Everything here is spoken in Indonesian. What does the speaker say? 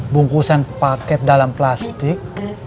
bungkusan paket dalam plastik